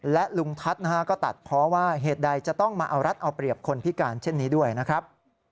และลุงทัศน์นะฮะก็ตัดเพราะว่าเหตุใดจะต้องมาเอารัฐเอาเปรียบคนพิการเช่นนี้ด้วยนะครับ